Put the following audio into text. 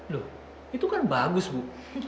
loh itu kan bagus bu